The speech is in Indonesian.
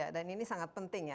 dan ini sangat penting ya